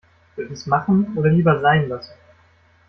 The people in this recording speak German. Soll ich es machen oder lieber sein lassen?